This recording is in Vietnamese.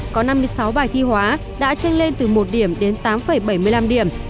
có năm mươi sáu bài thi hóa đã tranh lên từ một điểm đến tám bảy mươi năm điểm